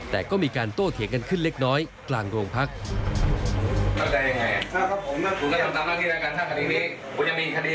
แต่ก็มีการโต้เถียงกันขึ้นเล็กน้อยกลางโรงพัก